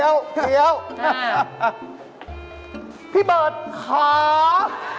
และนี่คือชาอม